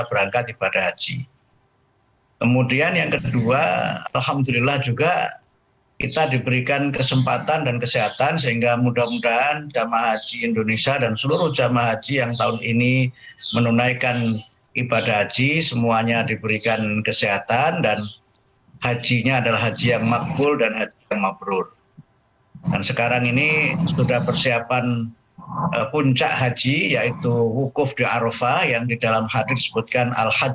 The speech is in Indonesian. berangkat haji sesuai dengan syarat yang diajukan